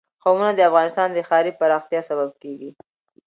قومونه د افغانستان د ښاري پراختیا سبب کېږي.